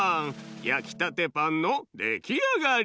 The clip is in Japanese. やきたてパンのできあがり！